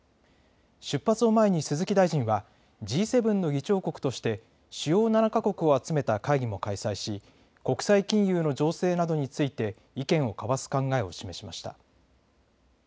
出発を前に鈴木大臣はＧ７の議長国として主要７か国を集めた会議も開催し国際金融の情勢などについて意見を交わす考えを示しました。